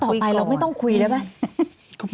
ต่อไปเราไม่ต้องคุยหรือเปล่า